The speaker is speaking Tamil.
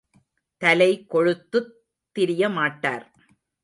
தலை கொழுத்துத் திரியமாட்டார்.